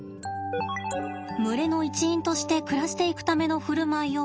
群れの一員として暮らしていくための振る舞いを学ぶ